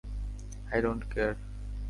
I don't care!